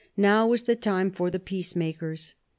Now was the time for the peacemakers.